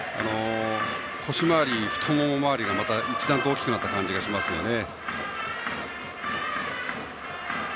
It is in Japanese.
腰周り、太もも周りがまた一段と大きくなった感じがしますね。